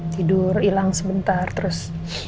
tidur ilang sebentar terus